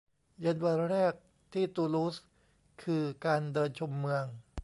เย็นวันแรกที่ตูลูสคือการเดินชมเมือง